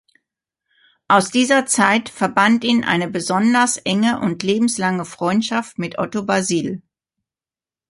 Aus dieser Zeit verband ihn eine besonders enge und lebenslange Freundschaft mit Otto Basil.